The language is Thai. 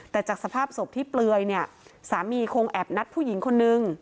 แต่จากสภาพศพที่เปลือยเนี่ยสามีคงแอบนัดผู้หญิงคนนึง